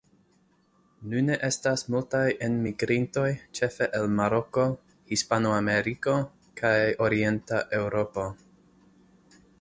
Nune estas multaj enmigrintoj ĉefe el Maroko, Hispanameriko kaj Orienta Eŭropo.